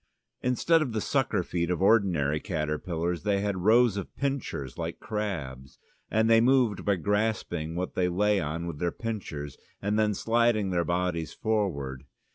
Instead of the sucker feet of ordinary caterpillars they had rows of pincers like crabs, and they moved by grasping what they lay on with their pincers, and then sliding their bodies forward.